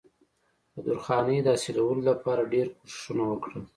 د درخانۍ د حاصلولو د پاره ډېر کوششونه وکړل